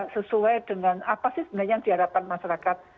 sesuai dengan apa sih sebenarnya yang diharapkan masyarakat